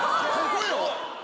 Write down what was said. ここよ！